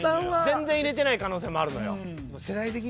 全然入れてない可能性もあるよ。